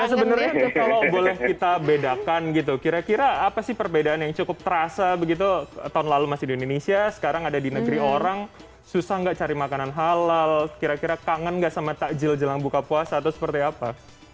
sebenarnya kalau boleh kita bedakan gitu kira kira apa sih perbedaan yang cukup terasa begitu tahun lalu masih di indonesia sekarang ada di negeri orang susah nggak cari makanan halal kira kira kangen gak sama takjil jelang buka puasa atau seperti apa